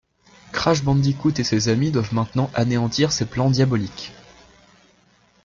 Crash Bandicoot et ses amis doivent maintenant anéantir ses plans diaboliques.